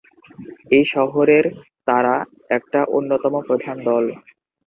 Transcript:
এই শহরের তারা একটা অন্যতম প্রধান দল।